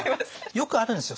よくあるんですよ。